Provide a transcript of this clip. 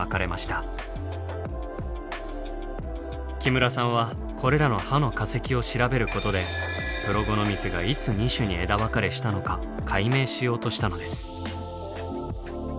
木村さんはこれらの歯の化石を調べることでプロゴノミスがいつ２種に枝分かれしたのか解明しようとしたのです。